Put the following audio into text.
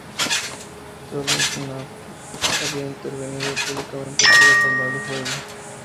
Sólo Sihanouk había intervenido públicamente para calmar el juego".